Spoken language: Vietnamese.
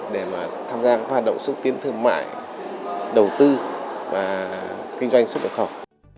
để mà tham gia hoạt động xuất tiến thương mại đầu tư và kinh doanh xuất khẩu